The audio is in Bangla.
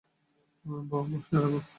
বোহ, ভরসা রাখ।